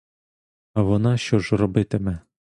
А вона що ж робитиме?